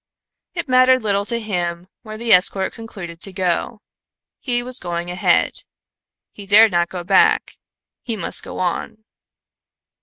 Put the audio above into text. It mattered little to him where the escort concluded to go. He was going ahead. He dared not go back he must go on.